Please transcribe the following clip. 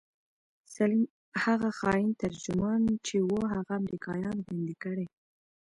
سليم هغه خاين ترجمان چې و هغه امريکايانو بندي کړى.